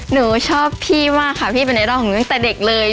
หนูชอบพี่มากค่ะพี่เป็นไอดอลของหนูตั้งแต่เด็กเลย